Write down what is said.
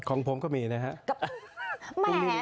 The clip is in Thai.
ของผมก็มีนะครับ